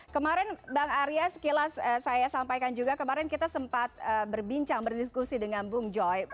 kemarin bang arya sekilas saya sampaikan juga kemarin kita sempat berbincang berdiskusi dengan bung joy